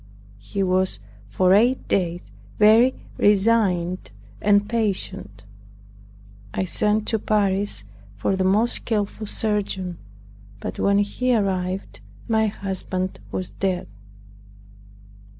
He was for eight days very resigned and patient. I sent to Paris for the most skillful surgeon; but when he arrived my husband was dead.